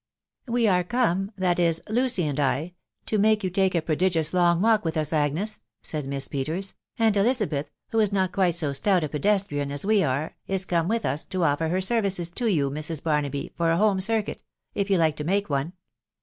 " We are come — that is, Lucy and I — to make you take a prodigious long walk with us, Agnes," said Miss Peters; " and Elizabeth, who is not quite so stout a pedestrian as we are, is come with us, to offer her services to you, Mrs. Bar naby, for a home circuit, if you like to make one.